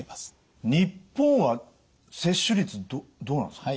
日本は接種率どうなんですか？